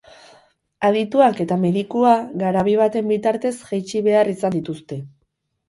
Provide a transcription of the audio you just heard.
Adituak eta medikua garabi baten bitartez jaitsi behar izan dituzte.